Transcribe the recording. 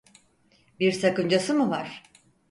Bir sakıncası mı var?